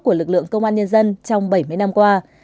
của lực lượng công an nhân dân trong bảy mươi năm qua